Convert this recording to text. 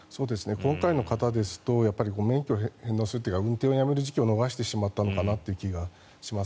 今回の方ですと免許を返納するというか運転をやめる時期を逃してしまったのかなと。